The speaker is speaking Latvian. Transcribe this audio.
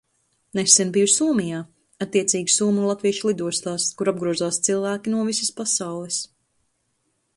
Nesen biju Somijā, attiecīgi somu un latviešu lidostās, kur apgrozās cilvēki no visas pasaules.